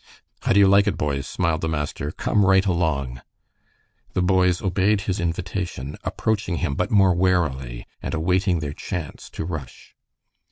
"How do you like it, boys?" smiled the master. "Come right along." The boys obeyed his invitation, approaching him, but more warily, and awaiting their chance to rush.